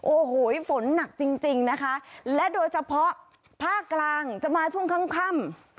โอ้โหฝนหนักจริงจริงนะคะและโดยเฉพาะภาคกลางจะมาช่วงค่ำ